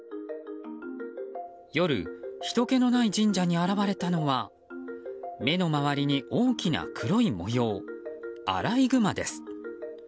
夜、ひとけのない神社に現れたのは目の周りに大きな黒い模様アライグマです。